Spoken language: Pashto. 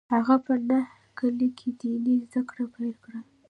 هغه په نهه کلنۍ کې ديني زده کړې پیل کړې